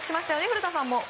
古田さんも！